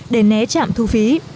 để né chạm thu phí